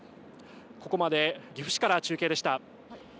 ここまで岐阜市から中継でした。